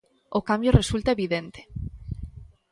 O cambio resulta evidente.